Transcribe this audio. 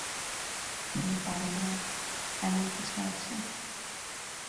তুমি পারো না এমনকিছু আছে?